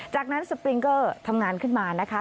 จากนั้นสปริงเกอร์ทำงานขึ้นมานะคะ